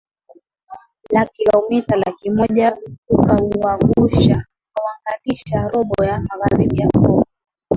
la kilometa laki moja ukaunganisha robo ya magharibi ya Kongo